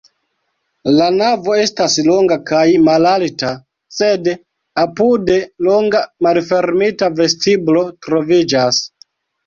La navo estas longa kaj malalta, sed apude longa malfermita vestiblo troviĝas.